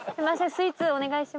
スイーツお願いします。